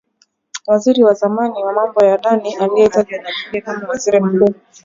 waziri wa zamani wa mambo ya ndani aliyetajwa na bunge kama waziri mkuu.